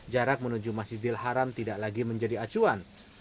jarak menuju masjidil haram tidak lagi menjadi acuan